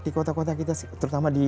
di kota kota kita terutama di